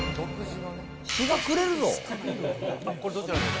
日が暮れるぞ。